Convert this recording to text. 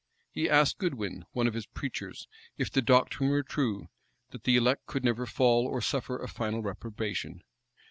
He asked Goodwin, one of his preachers, if the doctrine were true, that the elect could never fall, or suffer a final reprobation.